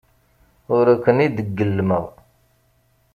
Ur ken-id-gellmeɣ.